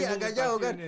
iya agak jauh kan